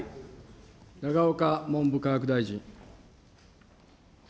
永岡文部科学大臣。